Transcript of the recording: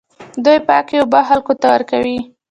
دوی پاکې اوبه خلکو ته ورکوي.